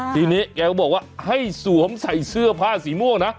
ทีนี้แกก็บอกว่าให้สวมใส่เสื้อผ้าสีม่วงนะ